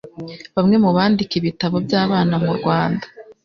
Bamwe mu bandika ibitabo by'abana mu Rwanda